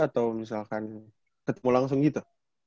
atau misalkan ketemu langsung gitu